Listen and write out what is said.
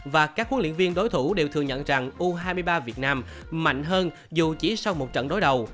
và các huấn luyện viên đối thủ đều thừa nhận rằng u hai mươi ba việt nam mạnh hơn dù chỉ sau một trận đối đầu